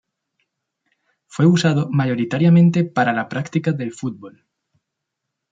Fue usado mayoritariamente para la práctica del fútbol.